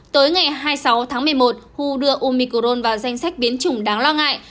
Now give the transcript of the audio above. tới ngày hai mươi sáu tháng một mươi một hù đưa omicron vào danh sách biến chủng đáng lo ngại